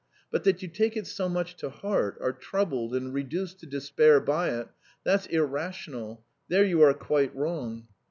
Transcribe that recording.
But that you take it so much to heart, are troubled, and reduced to despair by it that's irrational; there you are quite wrong."